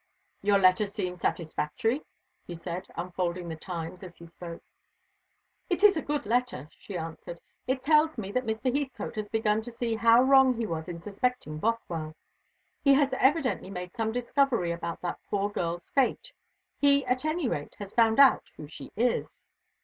"Your letter seems satisfactory," he said, unfolding the Times as he spoke. "It is a good letter," she answered. "It tells me that Mr. Heathcote has begun to see how wrong he was in suspecting Bothwell. He has evidently made some discovery about that poor girl's fate. He, at any rate, has found out who she is."